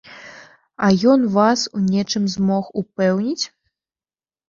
А ён вас у нечым змог упэўніць?